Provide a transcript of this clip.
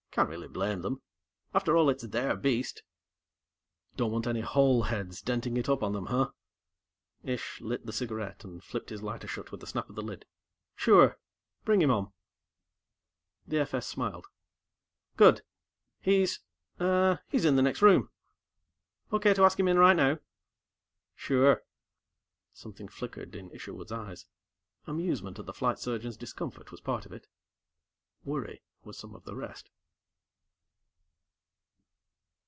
"Can't really blame them. After all, it's their beast." "Don't want any hole heads denting it up on them, huh?" Ish lit the cigarette and flipped his lighter shut with a snap of the lid. "Sure. Bring him on." The FS smiled. "Good. He's uh he's in the next room. Okay to ask him in right now?" "Sure." Something flickered in Isherwood's eyes. Amusement at the Flight Surgeon's discomfort was part of it. Worry was some of the rest.